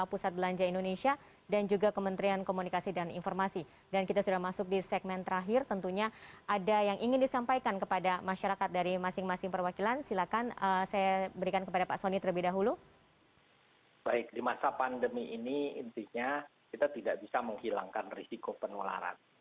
pada saat pandemi ini intinya kita tidak bisa menghilangkan risiko penularan